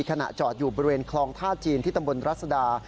ขณะจอดอยู่บริเวณคลองท่าจีนที่ตำบลรัศดา